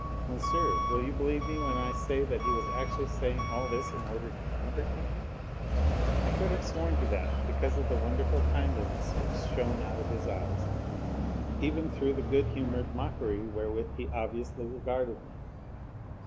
Monsieur, will you believe me when I say that he was actually saying all this in order to comfort me? I could have sworn to that because of the wonderful kindliness which shone out of his eyes, even through the good humoured mockery wherewith he obviously regarded me.